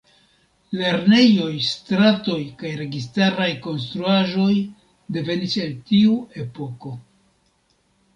Lernejoj, stratoj kaj registaraj konstruaĵoj devenis el tiu epoko.